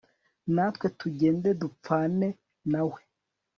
natwe tugende dupfane na we